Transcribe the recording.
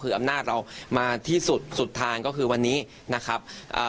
คืออำนาจเรามาที่สุดสุดทางก็คือวันนี้นะครับเอ่อ